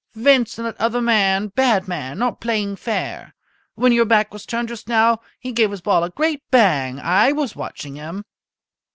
"Vincent, that other man bad man not playing fair. When your back was turned just now, he gave his ball a great bang. I was watching him."